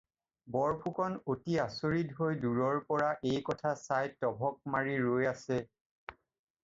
বৰফুকন অতি আচৰিত হৈ দূৰৰ পৰা এই কথা চাই টভক মাৰি ৰৈ আছে।